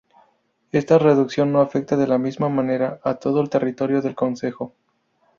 Esta reducción no afecta de la misma manera a todo el territorio del concejo.